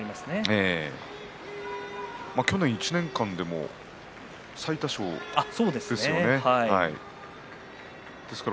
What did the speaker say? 去年１年間では最多勝でしたね。